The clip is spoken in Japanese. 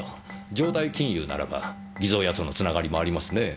城代金融ならば偽造屋とのつながりもありますねぇ。